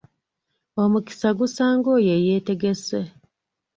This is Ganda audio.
Omukisa gusanga oyo eyeetegese.